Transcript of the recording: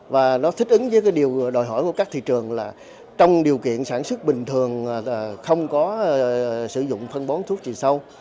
và nó thích ứng với cái điều đòi hỏi của các thị trường là trong điều kiện sản xuất bình thường không có sử dụng phân bón thuốc trừ sâu